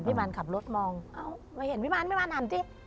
พี่มารขับรถมองมาเห็นพี่มารหันได้